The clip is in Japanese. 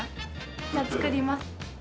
じゃあ作ります。